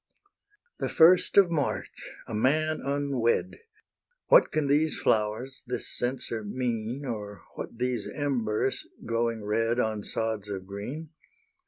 The first of March! a man unwed! What can these flowers, this censer mean Or what these embers, glowing red On sods of green?